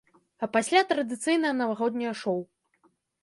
А пасля традыцыйнае навагодняе шоу.